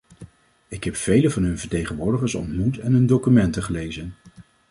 Ik heb vele van hun vertegenwoordigers ontmoet en hun documenten gelezen.